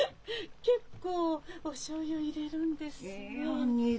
結構おしょうゆ入れるんですねえ。